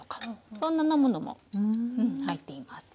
そんなものも入っています。